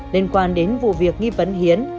liên quan đến vụ việc nghi vấn hiến